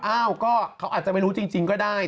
อ้าวก็เขาอาจจะไม่รู้จริงก็ได้